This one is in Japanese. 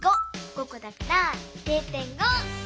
５こだから０．５！